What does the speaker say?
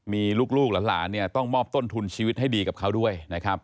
มีลูกหลานเนี่ยต้องมอบต้นทุนชีวิตให้ดีกับเขาด้วยนะครับ